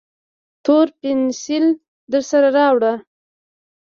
تور پینسیل درسره راوړه